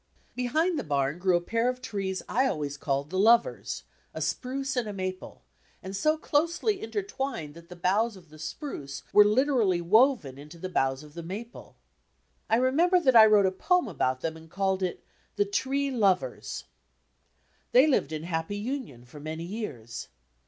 Behind the bam grew a pair of trees I always called "The Lovers," a spruce and a maple, and so closely intertwined that the boughs of the spruce were literally woven into the boughs of the maple. I remember that I wrote a poem about them and called it "The Tree Lovers." They lived in happy union for many years.